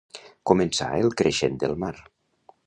Començar el creixent del mar.